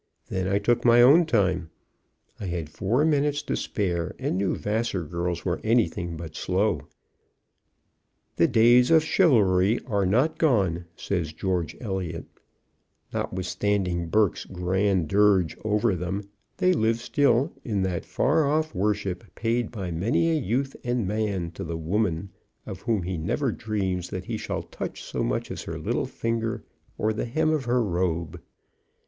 Then I took my own time. I had four minutes to spare, and knew Vassar girls were anything but slow. "The days of chivalry are not gone," says George Eliot, "notwithstanding Burke's grand dirge over them; they live still in that far off worship paid by many a youth and man to the woman of whom he never dreams that he shall touch so much as her little finger or the hem of her robe."